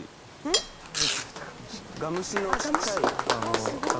ガムシの小っちゃい。